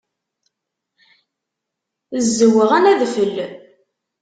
Zzewɣen adfel.